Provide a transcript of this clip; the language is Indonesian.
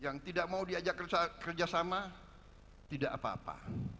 yang tidak mau diajak kerjasama tidak apa apa